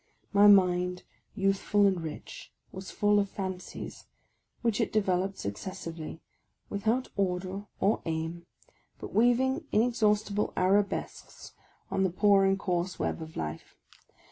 My mind, youthful and rich, was full of fancies, which it developed successively, without order or aim, but weaving inexhaustible arabesques on the poor and coarse web of life.